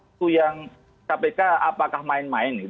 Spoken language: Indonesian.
itu yang kpk apakah main main